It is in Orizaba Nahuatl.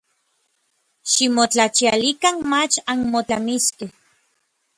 Ximotlachialikan mach anmotlamiskej.